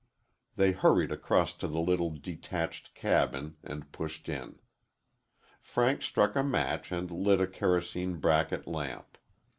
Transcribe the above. They hurried across to the little detached cabin and pushed in. Frank struck a match and lit a kerosene bracket lamp.